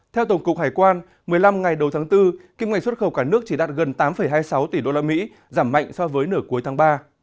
theo tổng cục hải quan một mươi năm ngày đầu tháng bốn kim ngạch xuất khẩu cả nước chỉ đạt gần tám hai mươi sáu tỷ usd giảm mạnh so với nửa cuối tháng ba